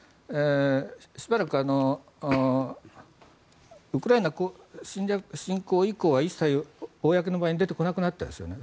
しばらくウクライナ侵攻以降は一切、公の場に出てこなくなったですよね。